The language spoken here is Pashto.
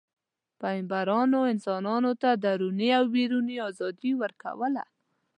پیغمبران انسانانو ته دروني او بیروني ازادي ورکوله.